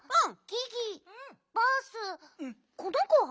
この子は？